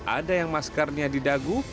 ada yang maskarnya didagu